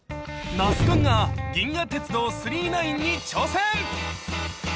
那須くんが「銀河鉄道９９９」に挑戦！